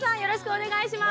お願いします。